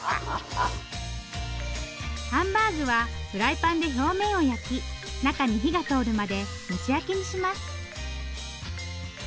ハンバーグはフライパンで表面を焼き中に火が通るまで蒸し焼きにします。